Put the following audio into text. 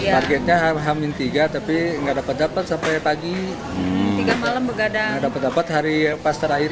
targetnya hamin tiga tapi nggak dapat dapat sampai pagi tiga malam dapat dapat hari pas terakhir